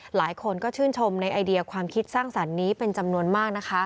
หลายคนก็ชื่นชมในไอเดียความคิดสร้างสรรค์นี้เป็นจำนวนมากนะคะ